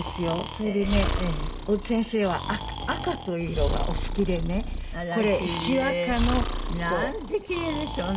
それでね小津先生は赤という色がお好きでねこれ朱赤の。なんて奇麗でしょうね。